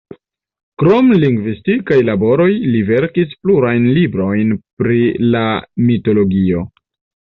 Krom lingvistikaj laboroj, li verkis plurajn librojn pri la mitologio.